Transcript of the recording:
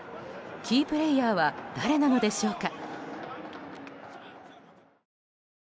キープレーヤーは誰なのでしょうか。